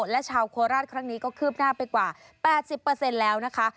และชาวโคราชครั้งนี้ก็คืบหน้าไปกว่า๘๐แล้วนะคะ